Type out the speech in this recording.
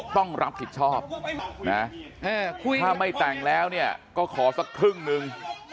ต้องรับผิดชอบนะถ้าไม่แต่งแล้วเนี่ยก็ขอสักครึ่งหนึ่ง